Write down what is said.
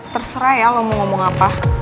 terserah ya lo mau ngomong apa